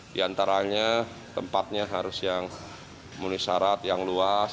di antaranya tempatnya harus yang menulis syarat yang luas